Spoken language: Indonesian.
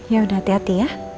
yaudah hati hati ya